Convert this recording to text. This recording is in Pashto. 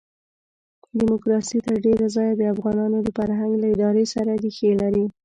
ډیموکراسي تر ډېره ځایه د افغانانو د فرهنګ له ادارې سره ریښې لري.